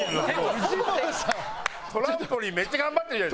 トランポリンめっちゃ頑張ってるじゃないですか。